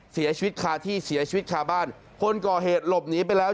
เสียชีวิตคาที่เสียชีวิตคาบ้านคนก่อเหตุหลบหนีไปแล้ว